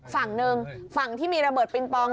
ฝั่งหนึ่งฝั่งที่มีระเบิดปิงปอง